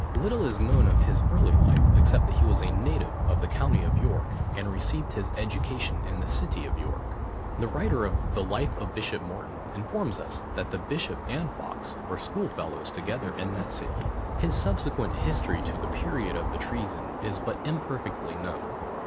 Little is known of his early life, except that he was a native of the county of York, and received his education in the city of York. The writer of the Life of Bishop Morton informs us that the bishop and Fawkes were schoolfellows together in that city. His subsequent history to the period of the treason, is but imperfectly known.